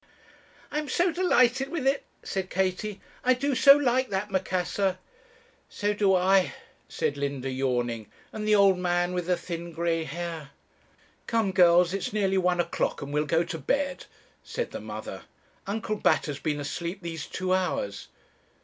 'I'm so delighted with it,' said Katie; 'I do so like that Macassar.' 'So do I,' said Linda, yawning; 'and the old man with the thin grey hair.' 'Come, girls, it's nearly one o'clock, and we'll go to bed,' said the mother. 'Uncle Bat has been asleep these two hours.'